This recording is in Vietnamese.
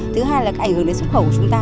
thứ hai là ảnh hưởng đến xuất khẩu của chúng ta